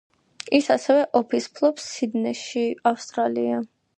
ის ასევე ოფისს ფლობს სიდნეიში, ავსტრალია.